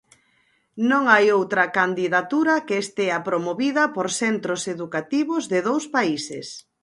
Non hai outra candidatura que estea promovida por centros educativos de dous países.